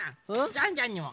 ジャンジャンにも！